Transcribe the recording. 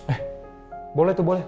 eh boleh tuh boleh